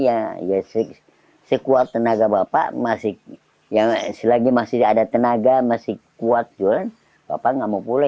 di sini ya sekuat tenaga bapak selagi masih ada tenaga masih kuat jualan bapak nggak mau pulang